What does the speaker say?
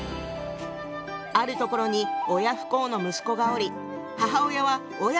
「あるところに親不孝の息子がおり母親は親子の縁を切った。